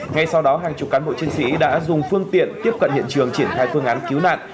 ngay sau đó hàng chục cán bộ chiến sĩ đã dùng phương tiện tiếp cận hiện trường triển khai phương án cứu nạn